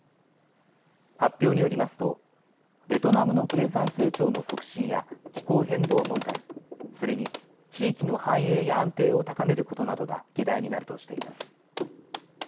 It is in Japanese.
発表によりますとベトナムの経済成長の促進や気候変動問題、それに地域の繁栄や安定を高めることなどが議題になるとしています。